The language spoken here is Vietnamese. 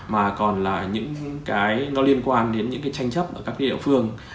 mà còn là những cái nó liên quan đến những cái tranh chấp ở các cái địa phương